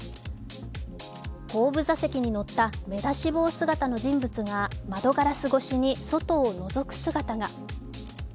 後部座席に乗った目出し帽姿の人物が窓ガラス越しに外をのぞく姿が。